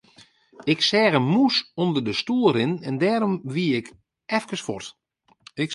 Ik seach in mûs ûnder de stoel rinnen en dêrom wie ik efkes fuort.